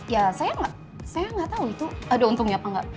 ya saya gak tau itu ada untungnya apa enggak